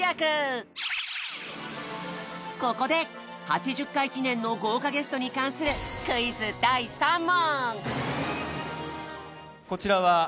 ここで８０回記念の豪華ゲストに関するクイズ第３問！